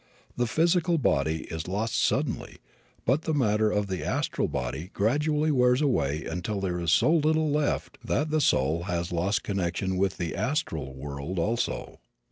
The physical body is lost suddenly but the matter of the astral body gradually wears away until there is so little left that the soul has lost connection with the astral world also.